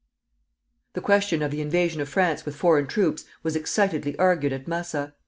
The question of the invasion of France with foreign troops was excitedly argued at Massa.